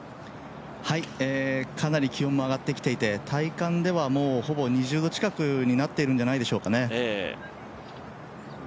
かなり気温も上がってきていて、体感ではほぼ２０度近くになっているんじゃないでしょうかね。